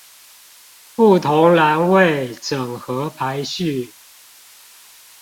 不同欄位整合排序